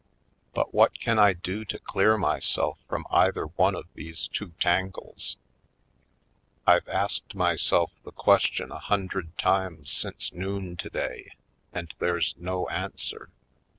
But what can I do to clear myself from either one of these two tangles? I've asked myself the question a hundred times since noon today and there's no answer.